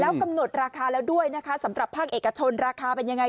กำหนดราคาแล้วด้วยนะคะสำหรับภาคเอกชนราคาเป็นยังไง